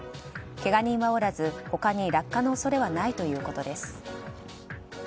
けが人はおらず他に落下の恐れはないということです。